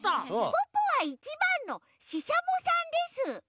ポッポは１ばんのししゃもさんです。